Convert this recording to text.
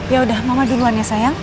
yaudah mama duluan ya sayang